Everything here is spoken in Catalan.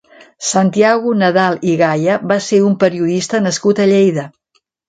Santiago Nadal i Gaya va ser un periodista nascut a Lleida.